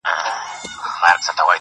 یو اروامست د خرابات په اوج و موج کي ویل~